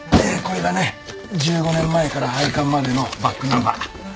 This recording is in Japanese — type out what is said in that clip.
これがね１５年前から廃刊までのバックナンバー。